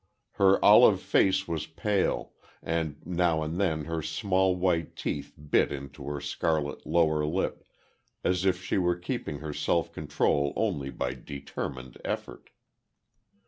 Her olive face was pale, and now and then her small white teeth bit into her scarlet lower lip, as if she were keeping her self control only by determined effort.